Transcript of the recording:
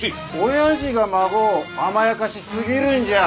親父が孫を甘やかしすぎるんじゃあ。